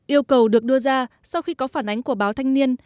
yêu cầu được đưa ra sau khi có phản ánh của báo cáo